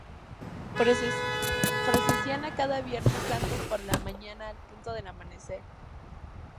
Procesiona cada Viernes Santo por la mañana al punto del amanecer.